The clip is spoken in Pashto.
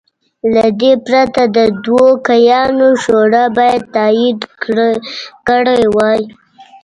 له دې پرته د دوکیانو شورا باید تایید کړی وای.